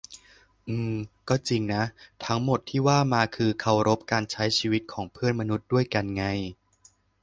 อือ ก็จริงนะ ทั้งหมดที่ว่ามาคือเคารพการใช้ชีวิตของเพื่อนมนุษย์ด้วยกันไง